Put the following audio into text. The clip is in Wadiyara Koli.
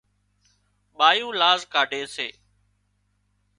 ٻايُون لاز ڪاڍي سي